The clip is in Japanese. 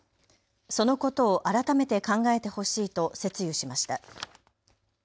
そのことを改めて考えてほしいと説諭しました。